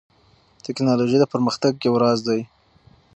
ټیکنالوژي د پرمختګ یو راز دی.